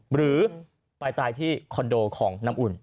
หรือไปตายที่คอนโดของน้ำอุ่น